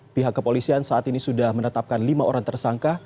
pihak kepolisian saat ini sudah menetapkan lima orang tersangka